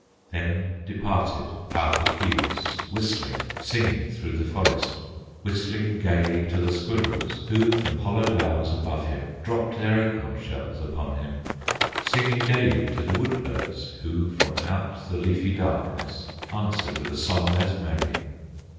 Then departed Pau Puk Keewis, Whistling, singing through the forest, Whistling gayly to the squirrels, Who from hollow boughs above him Dropped their acorn shells upon him, Singing gayly to the wood birds, Who from out the leafy darkness Answered with a song as merry.